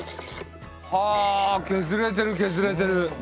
はあ削れてる削れてる。